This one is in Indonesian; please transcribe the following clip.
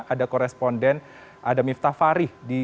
ada koresponden ada miftah farih